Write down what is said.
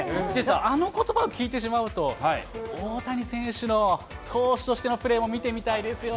あのことばを聞いてしまうと、大谷選手の投手としてのプレーも見てみたいですよね。